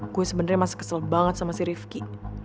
gue sebenernya masih kesel banget sama si rifqi